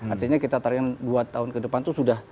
artinya kita targetkan dua tahun ke depan itu sudah